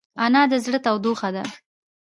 انا د زړه تودوخه ده